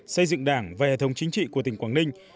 xây dựng đảng và hệ thống chính trị của tỉnh quảng ninh